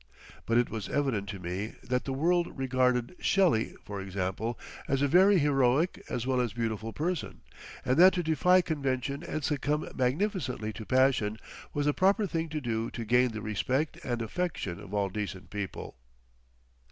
But it was evident to me that the world regarded Shelley, for example, as a very heroic as well as beautiful person; and that to defy convention and succumb magnificently to passion was the proper thing to do to gain the respect and affection of all decent people.